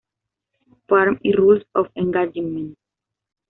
Farm y Rules of Engagement.